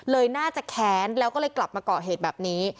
น่าจะแค้นแล้วก็เลยกลับมาเกาะเหตุแบบนี้